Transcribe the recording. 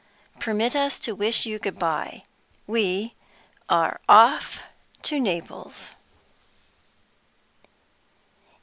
Permit us to wish you good by. We are off to Naples.